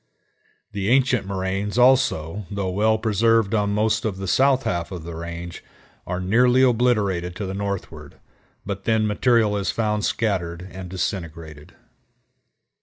The ancient moraines also, though well preserved on most of the south half of the range, are nearly obliterated to the northward, but then material is found scattered and disintegrated.